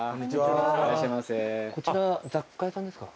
こちら雑貨屋さんですか？